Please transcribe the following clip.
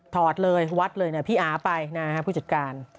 ถอดเลยวัดแล้วพี่อาไปผู้จัดการ